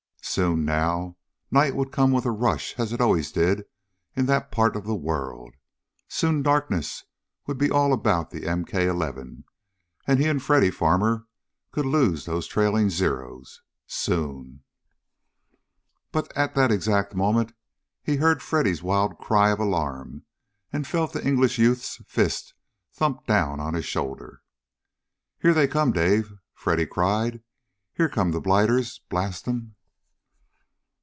Soon, now, night would come with a rush as it always did in that part of the world. Soon darkness would be all about the MK 11, and he and Freddy Farmer could lose those trailing Zeros. Soon But at that exact moment he heard Freddy's wild cry of alarm and felt the English youth's fist thump down on his shoulder. "Here they come, Dave!" Freddy cried. "Here come the blighters, blast them!"